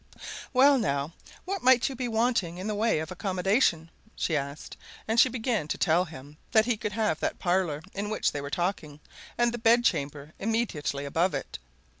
"Well, now, what might you be wanting in the way of accommodation?" she asked, and she began to tell him that he could have that parlour in which they were talking, and the bedchamber immediately above it.